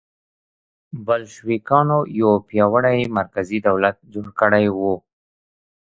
بلشویکانو یو پیاوړی مرکزي دولت جوړ کړی و.